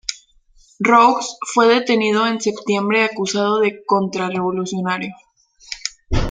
Roux fue detenido en septiembre acusado de contrarrevolucionario.